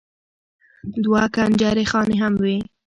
دوه کنجرې خانې هم وې.